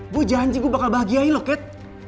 gue janji gue bakal bahagiain lo kat